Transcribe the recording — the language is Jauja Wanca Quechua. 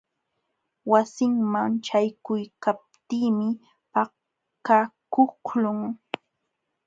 Wasinman ćhaykuykaptiimi pakakuqlun.